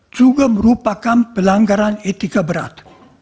juga merupakan pelanggaran etika berat